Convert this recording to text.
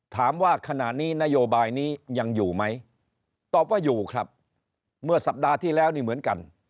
ถามว่าขณะนี้นโยบายนี้ยังอยู่ไหมตอบว่าอยู่ครับเมื่อสัปดาห์ที่แล้วนี่เหมือนกัน